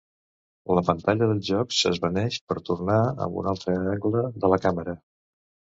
La pantalla del joc s'esvaneix per tornar amb un altre angle de la càmera.